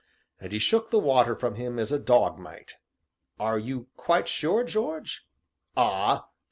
and he shook the water from him as a dog might. "Are you quite sure, George?" "Ah!